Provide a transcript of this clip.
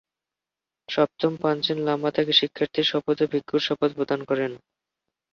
সপ্তম পাঞ্চেন লামা তাকে শিক্ষার্থীর শপথ ও ভিক্ষুর শপথ প্রদান করেন।